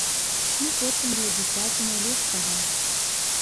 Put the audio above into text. Мы хочам для дзіцяці найлепшага.